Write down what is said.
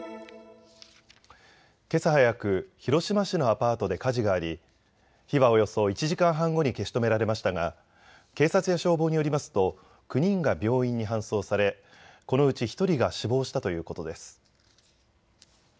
けさ早く、広島市のアパートで火事があり火はおよそ１時間半後に消し止められましたが警察や消防によりますと９人が病院に搬送されこのうち１人が死亡したということです。